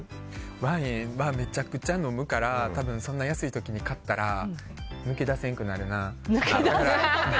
ワインはめちゃくちゃ飲むからそんな安い時に買ったら抜け出せんくなるな。